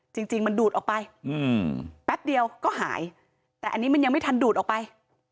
จริงจริงมันดูดออกไปแป๊บเดียวก็หายแต่อันนี้มันยังไม่ทันดูดออกไป